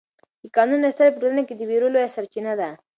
د قانون نشتوالی په ټولنه کې د وېرو لویه سرچینه ده.